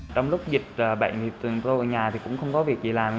trong lúc dịch bệnh tôi ở nhà cũng không có việc gì làm